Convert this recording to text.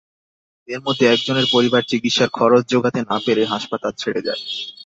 এর মধ্যে একজনের পরিবার চিকিৎসার খরচ জোগাতে না পেরে হাসপাতাল ছেড়ে যায়।